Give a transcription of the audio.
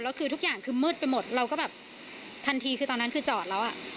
แล้วคือทุกอย่างคือมืดไปหมดเราก็แบบทันทีคือตอนนั้นคือจอดแล้วอ่ะ